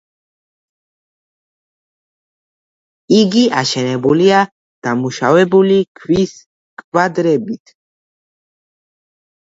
იგი აშენებულია დამუშავებული ქვის კვადრებით.